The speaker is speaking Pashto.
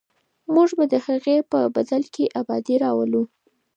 موږ به د هغې په بدل کې ابادي راولو.